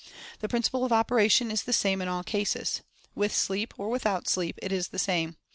The principle of operation is the same in all cases. With sleep, or without sleep, it is the same.